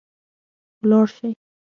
ولاړ سئ